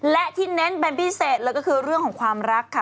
และที่เน้นเป็นพิเศษเลยก็คือเรื่องของความรักค่ะ